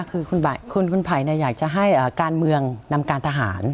คือคุณไผ่อยากจะให้การเมืองนำการทหาร